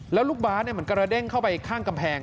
แล้วลูกบาสมันกำลังเด้งเข้าไปข้างกำแพง